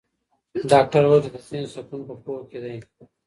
ډاکټر وویل چي د ذهن سکون په پوهه کې دی.